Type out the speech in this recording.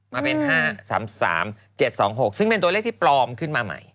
มาเป็น๕๓๓๗๒๖ซึ่งเป็นตัวเลขที่ปลอมขึ้นมาใหม่